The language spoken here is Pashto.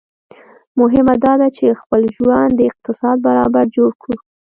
مهمه داده چي خپل ژوند د اقتصاد برابر جوړ کړو